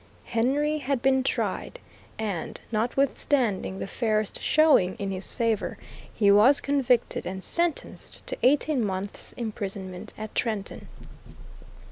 Henry had been tried, and notwithstanding the fairest showing in his favor, he was convicted and sentenced to eighteen months imprisonment at Trenton.